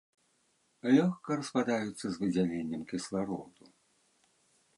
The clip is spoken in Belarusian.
Лёгка распадаюцца з выдзяленнем кіслароду.